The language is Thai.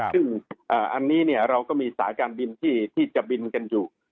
ซึ่งอันนี้เราก็มีสายการบินที่จะบินกันอยู่